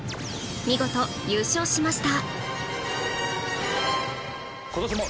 見事優勝しました